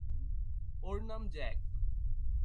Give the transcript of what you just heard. ওর নাম জ্যাক।